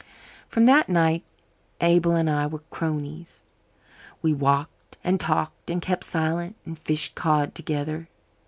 From that night Abel and I were cronies. We walked and talked and kept silence and fished cod together.